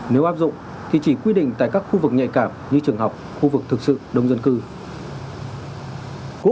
nếu áp dụng thì chỉ quy định tại các khu vực nhạy cảm như trường học khu vực thực sự đông dân cư